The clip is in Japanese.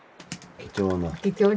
貴重な。